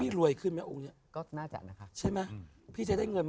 พี่ยังไม่ได้เลิกแต่พี่ยังไม่ได้เลิก